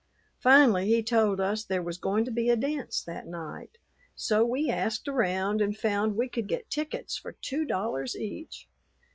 Finally, he told us there was going to be a dance that night, so we asked around and found we could get tickets for two dollars each.